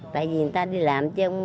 tại vì người ta đi làm chơi